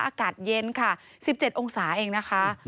อากาศเย็นค่ะ๑๗องศาเองนะคะ